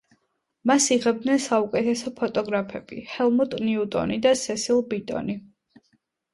მას იღებდნენ საუკეთესო ფოტოგრაფები: ჰელმუტ ნიუტონი და სესილ ბიტონი.